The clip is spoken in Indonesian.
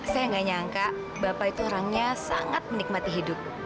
saya nggak nyangka bapak itu orangnya sangat menikmati hidup